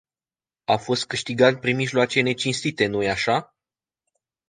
A fost câștigat prin mijloace necinstite, nu-i așa?